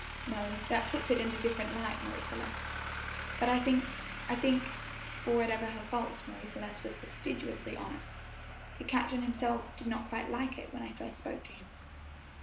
"No; that puts it in a different light, Marie Celeste." "But I think I think (for whatever her faults Marie Celeste was fastidiously honest) the captain himself did not quite like it when I first spoke to him."